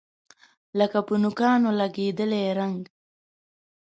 لکه په نوکانو لګیدلی رنګ